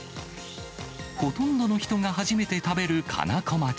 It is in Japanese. ほとんどの人が初めて食べるかなこまち。